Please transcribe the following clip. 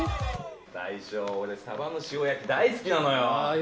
大将、俺サバの塩焼き大好きなのよ。